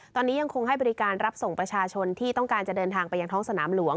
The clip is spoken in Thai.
ตอนนี้ยังคงให้บริการรับส่งประชาชนที่ต้องการจะเดินทางไปยังท้องสนามหลวง